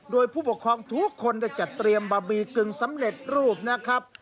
โดยผู้ปกครองทุกคนได้จัดเตรียมบะหมี่กึ่งสำเร็จรูปนะครับ